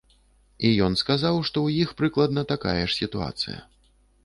І ён сказаў, што ў іх прыкладна такая ж сітуацыя.